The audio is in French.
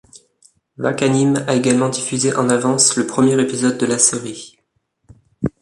Wakanim a également diffusé en avance le premier épisode de la série.